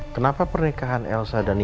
kenapa pernikahan elsa dan nia